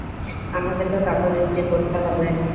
আমাকে তো কাপড় ইস্ত্রি করতে হবে!